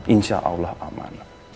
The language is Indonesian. insya allah aman